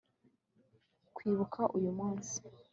Kwibuka uyu munsi